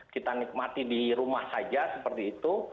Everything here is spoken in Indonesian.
kita nikmati di rumah saja seperti itu